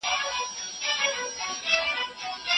هغه وویل جان مونټاګو سنډویچ مشهور کړ.